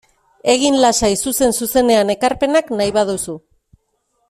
Egin lasai zuzen-zuzenean ekarpenak nahi baduzu.